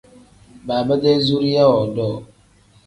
Baaba-dee zuriya woodoo.